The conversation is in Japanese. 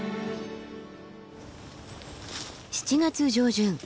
７月上旬。